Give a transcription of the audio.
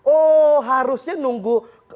oh harusnya nunggu